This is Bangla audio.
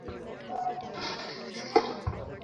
এটা এক্সমরফিক পার্টিক্যাল কোডেক্স!